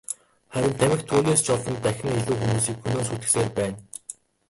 Харин тамхи түүнээс ч олон дахин илүү хүмүүсийг хөнөөн сүйтгэсээр байна.